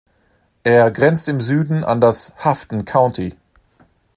Es grenzt im Süden an das Houghton County.